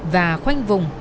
và khoanh vùng